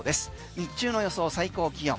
日中の予想最高気温。